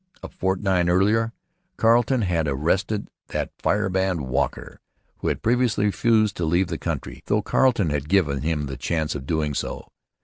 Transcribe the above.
A fortnight earlier Carleton had arrested that firebrand, Walker, who had previously refused to leave the country, though Carleton had given him the chance of doing so.